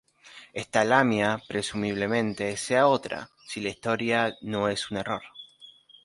Esta Lamia presumiblemente sea otra, si la historia no es un error.